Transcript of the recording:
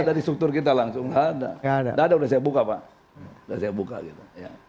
ada di struktur kita langsung gak ada gak ada udah saya buka pak udah saya buka gitu